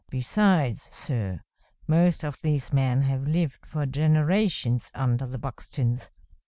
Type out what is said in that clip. "Besides, sir, most of these men have lived for generations under the Buxtons.